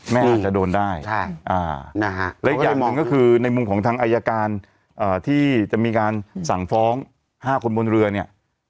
อาจจะโดนได้และอีกอย่างหนึ่งก็คือในมุมของทางอายการที่จะมีการสั่งฟ้อง๕คนบนเรือเนี่ย